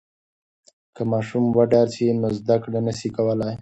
که ماشوم وډار سي نو زده کړه نسي کولای.